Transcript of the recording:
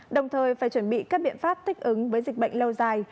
đồng thời phải chuẩn bị các biện pháp thích ứng với dịch bệnh lâu dài